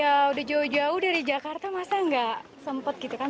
ya udah jauh jauh dari jakarta masa nggak sempet gitu kan